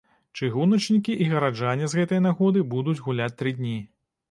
Чыгуначнікі і гараджане з гэтай нагоды будуць гуляць тры дні.